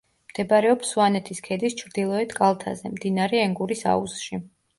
მდებარეობს სვანეთის ქედის ჩრდილოეთ კალთაზე, მდინარე ენგურის აუზში.